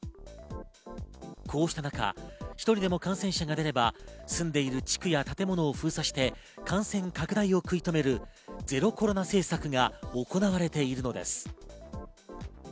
こうした中、一人でも感染者が出れば住んでいる地区や建物を封鎖して感染拡大を食い止めるゼロコロナ政策が行われているのです。